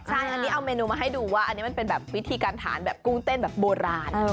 ใช่อันนี้เอาเมนูมาให้ดูว่าอันนี้มันเป็นแบบวิธีการทานแบบกุ้งเต้นแบบโบราณ